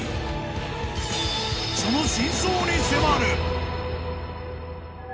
［その真相に迫る！］